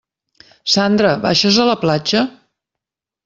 Sandra, baixes a la platja?